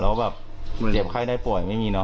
แล้วแบบเจ็บไข้ได้ป่วยไม่มีเนอ